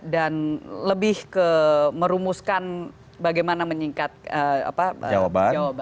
dan lebih ke merumuskan bagaimana menyingkat jawaban